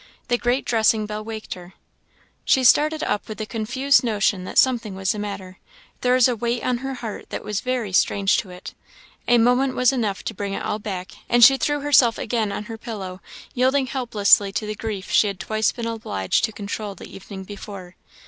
The great dressing bell waked her. She started up with a confused notion that something was the matter: there was a weight on her heart that was very strange to it. A moment was enough to bring it all back; and she threw herself again on her pillow, yielding helplessly to the grief she had twice been obliged to control the evening before.